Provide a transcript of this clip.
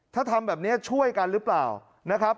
ถ้าทำแบบนี้ช่วยกันหรือเปล่านะครับ